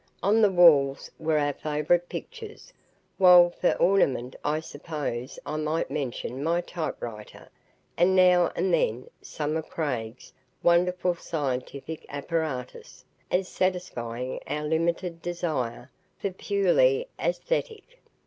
On the walls were our favorite pictures, while for ornament, I suppose I might mention my typewriter and now and then some of Craig's wonderful scientific apparatus as satisfying our limited desire for the purely aesthetic.